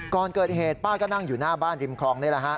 ก่อนเกิดเหตุป้าก็นั่งอยู่หน้าบ้านริมคลองนี่แหละฮะ